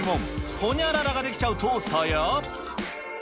ホニャララができちゃうトースターや。